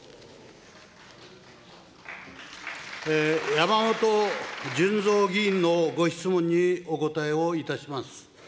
山本順三議員のご質問にお答えをいたします。